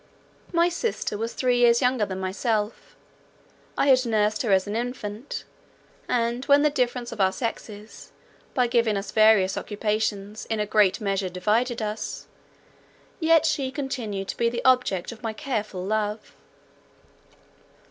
My sister was three years younger than myself; I had nursed her as an infant, and when the difference of our sexes, by giving us various occupations, in a great measure divided us, yet she continued to be the object of my careful love.